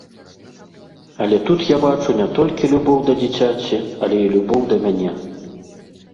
Але тут я бачу не толькі любоў да дзіцяці, але і любоў да мяне.